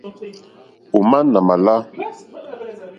Ò má nà mà lá.